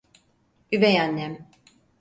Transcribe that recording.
Üvey annem.